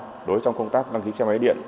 đối với trong công tác đăng ký xe máy điện